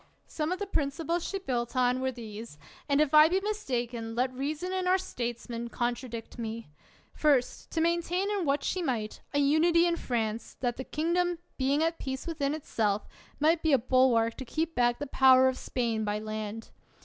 42 ELIOT Some of the principles she built on, were these ; and if I be mistaken, let reason and our statesmen contradict me: First, to maintain, in what she might, a unity in France, that that kingdom, being at peace within itself, might be a bulwark to keep back the power of Spain by land.